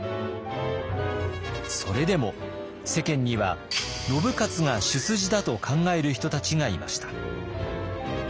それでも世間には信雄が主筋だと考える人たちがいました。